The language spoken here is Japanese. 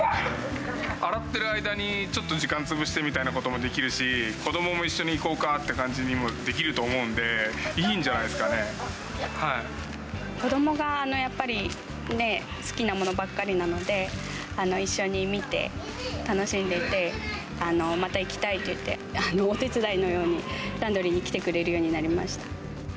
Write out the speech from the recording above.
洗っている間に、ちょっと時間潰してみたいなこともできるし、子どもも一緒に行こうかっていう感じにもできると思うんで、子どもがやっぱり、ね、好きなものばっかりなので、一緒に見て、楽しんでいて、また行きたいって言って、お手伝いのように、ランドリーに来てくれるようになりました。